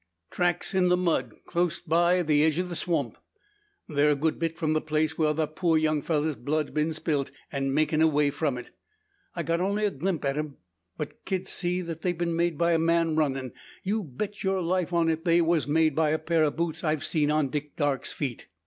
"Tracks in the mud, clost in by the edge o' the swamp. They're a good bit from the place whar the poor young fellur's blood's been spilt, an' makin' away from it. I got only a glimp at 'em, but ked see they'd been made by a man runnin'. You bet yur life on't they war made by a pair o' boots I've seen on Dick Darke's feet.